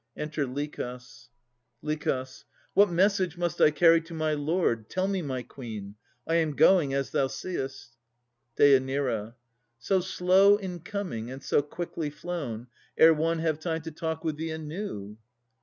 Enter LICHAS. LICH. What message must I carry to my lord? Tell me, my Queen. I am going, as thou seest. DÊ. So slow in coming, and so quickly flown, Ere one have time to talk with thee anew!